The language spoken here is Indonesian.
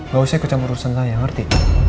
gak usah kecampur urusan saya ngerti